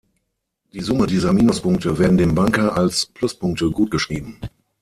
Die Summe dieser Minuspunkte werden dem "Banker" als Pluspunkte gutgeschrieben.